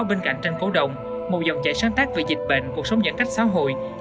bên cạnh tranh cấu đồng một dòng chạy sáng tác về dịch bệnh cuộc sống giãn cách xã hội